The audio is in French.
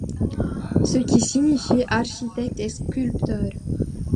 Ce qui signifie: architecte et sculpteur.